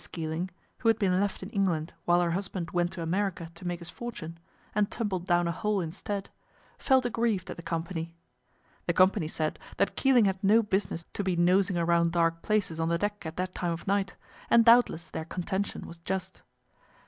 Keeling, who had been left in England while her husband went to America to make his fortune, and tumbled down a hole instead, felt aggrieved at the company. The company said that Keeling had no business to be nosing around dark places on the deck at that time of night, and doubtless their contention was just.